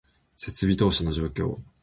設備投資の状況